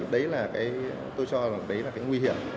đấy là cái tôi cho là cái nguy hiểm